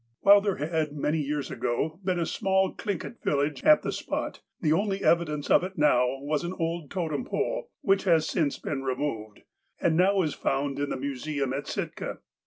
While there had, many years ago, been a small Thlin git village at the spot, the only evidence of it now was an old totem pole, which has since been removed, and now is found in the museum at Sitka.